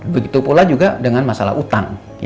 begitu pula juga dengan masalah utang